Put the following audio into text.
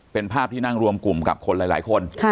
เป็นภาพที่นั่งรวมกลุ่มกับคนหลายคน